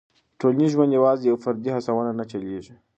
ټولنیز ژوند یوازې په فردي هڅو نه چلېږي.